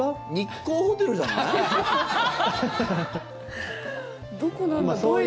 日航ホテルじゃない？